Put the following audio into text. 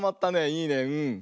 いいねうん。